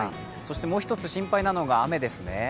もう１つ心配なのが雨ですね。